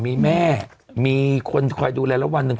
มีแม่มีคนคอยดูแลแล้ววันหนึ่ง